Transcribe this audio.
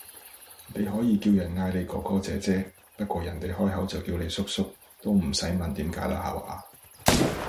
你可以叫人嗌你哥哥姐姐，不過人哋開口就叫你叔叔，都唔使問點解啦下話